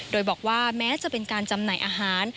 โดยบอกว่าแม้จะเป็นการจำหน่ายอาหาร